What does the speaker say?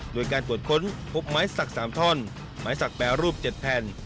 โดยการตรวจค้นพบไม้สัก๓ท่อนไม้สักแปรรูป๗แผ่น